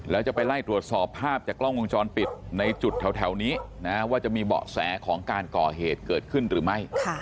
แล้วจะไปไล่ตรวจสอบภาพจากกล้องวงจรปิดในจุดแถวนี้นะว่าจะมีเบาะแสของการก่อเหตุเกิดขึ้นหรือไม่